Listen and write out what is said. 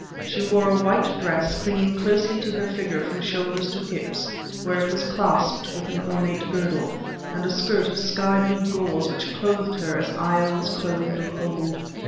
She wore a white dress, clinging closely to her figure from shoulders to hips, where it was clasped by an ornate girdle, and a skirt of sky blue gauze which clothed her as Io was clothed of old.